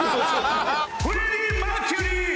フレディ・マーキュリー！